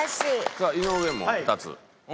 さあ井上も２つ。